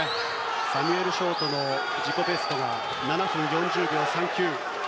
サミュエル・ショートの自己ベストが７分４０秒３９。